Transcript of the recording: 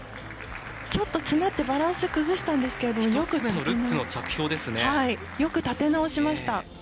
ちょっと、詰まってバランスを崩したんですがよく立て直しました。